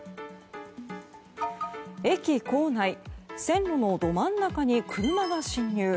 駅構内、線路のど真ん中に車が進入。